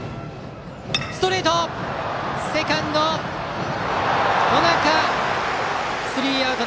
セカンド尾中とってスリーアウト。